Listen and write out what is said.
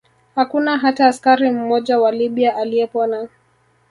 Hakuna hata askari mmoja wa Libya aliyepona